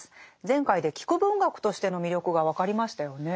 前回で聞く文学としての魅力が分かりましたよね。